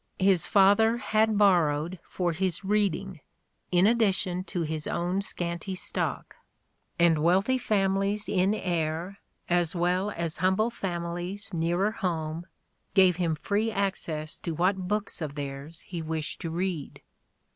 His father had borrowed for his reading, in addition to his own scanty stock ; and wealthy families in Ayr, as well as humble families nearer home, gave him free access to what books of 33 theirs he wished to read.